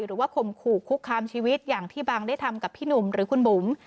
ข่มขู่คุกคามชีวิตอย่างที่บังได้ทำกับพี่หนุ่มหรือคุณบุ๋ม